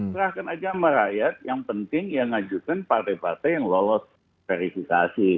serahkan aja sama rakyat yang penting ya ngajukan partai partai yang lolos verifikasi